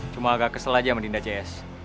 cuma agak kesel aja sama dinda cs